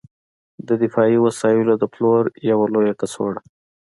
د دفاعي وسایلو د پلور یوه لویه کڅوړه